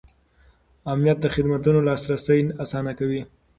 امنیت د خدمتونو لاسرسی اسانه کوي.